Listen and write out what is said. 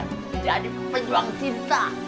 kita jadi penyulang cinta